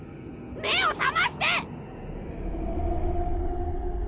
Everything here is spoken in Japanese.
目を覚まして！